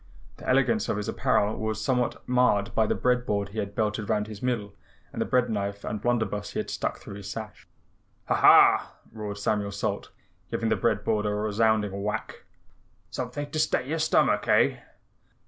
The elegance of his apparel was somewhat marred by the bread board he had belted round his middle and the bread knife and blunderbuss he had stuck through his sash. "Ha, hah!" roared Samuel Salt, giving the bread board a resounding whack. "Something to stay your stomach, EH?"